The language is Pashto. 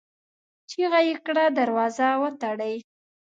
چيغه يې کړه! دروازه وتړئ!